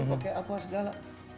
pakai apa segala